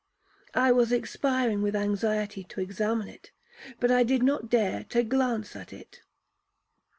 I was expiring with anxiety to examine it, but I did not dare to glance at it.